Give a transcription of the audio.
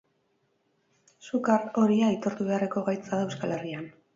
Sukar horia aitortu beharreko gaitza da Euskal Herrian.